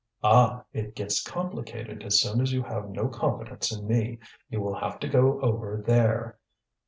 "Ah! it gets complicated as soon as you have no confidence in me; you will have to go over there."